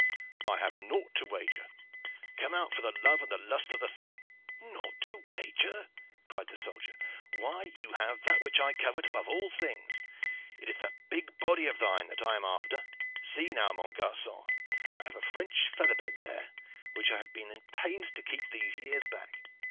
"I have nought to wager. Come out for the love and the lust of the thing." "Nought to wager!" cried the soldier. "Why, you have that which I covet above all things. It is that big body of thine that I am after. See, now, mon garcon. I have a French feather bed there, which I have been at pains to keep these years back.